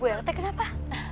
bu yartek kenapa